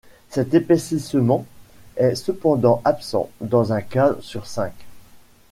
Cet épaississement est cependant absent dans un cas sur cinq.